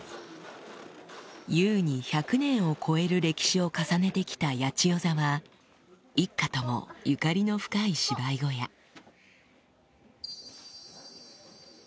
優に１００年を超える歴史を重ねて来た八千代座は一家ともゆかりの深い芝居小屋そう